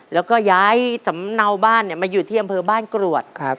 แล้วก็ย้ายสำเนาบ้านมาอยู่ที่อำเภอบ้านกรวด